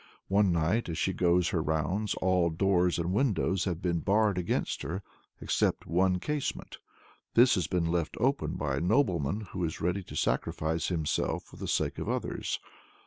One night, as she goes her rounds, all doors and windows have been barred against her except one casement. This has been left open by a nobleman who is ready to sacrifice himself for the sake of others.